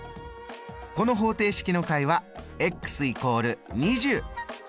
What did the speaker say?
この方程式の解は＝２０。